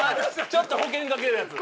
ちょっと保険掛けるやつ。